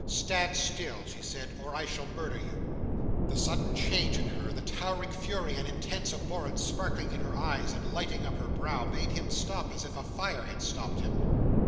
"Stand still!" she said, "or I shall murder you!" The sudden change in her, the towering fury and intense abhorrence sparkling in her eyes and lighting up her brow, made him stop as if a fire had stopped him.